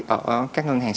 ở các ngân hàng sản